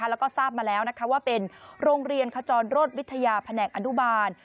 แล้วก็ทราบมาแล้วว่าเป็นโรงเรียนขจรโรศวิทยาแผนกอนุบาล